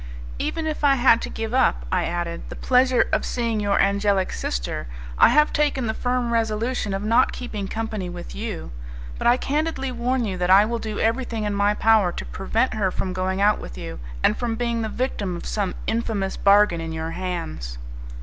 "Even if I had to give up," I added, "the pleasure of seeing your angelic sister, I have taken the firm resolution of not keeping company with you; but I candidly warn you that I will do everything in my power to prevent her from going out with you, and from being the victim of some infamous bargain in your hands."